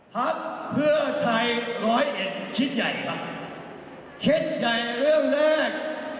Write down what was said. ภักดิ์เพื่อไทยร้อยเอ็ดคิดใหญ่ค่ะคิดใหญ่เรื่องแรก